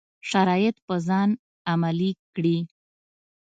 شرایط په ځان عملي کړي.